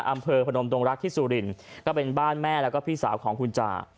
อำเภอพนมดงรักที่สุรินทร์ก็เป็นบ้านแม่แล้วก็พี่สาวของคุณจ่า